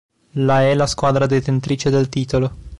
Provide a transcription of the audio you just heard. La è la squadra detentrice del titolo.